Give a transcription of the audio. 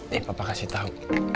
eh papa kasih tahu